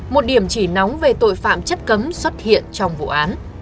một điểm chỉ nóng về tội phạm chất cấm xuất hiện trong vụ án